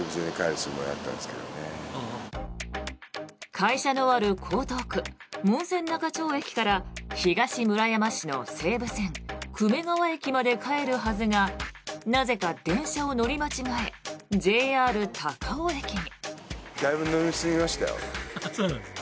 会社のある江東区・門前仲町駅から東村山市の西武線久米川駅まで帰るはずがなぜか電車を乗り間違えＪＲ高尾駅に。